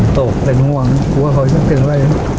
โต๊ะเป็นห่วงกลัวเขาไม่เป็นว่ะเนี่ย